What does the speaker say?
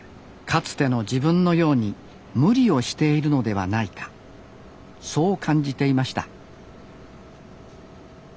かつての自分のように無理をしているのではないかそう感じていました